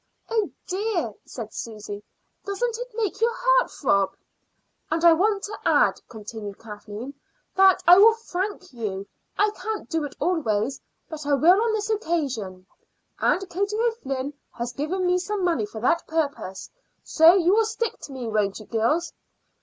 "Oh dear," said Susy, "doesn't it make your heart throb?" "And I want to add," continued Kathleen, "that I will frank you. I can't do it always, but I will on this occasion. Aunt Katie O'Flynn has given me some money for that purpose. So you will stick to me, won't you girls?"